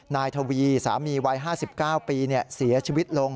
นายทวีสามีวัย๕๙ปีเสียชีวิตลง